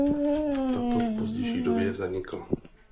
Tato v pozdější době zanikla.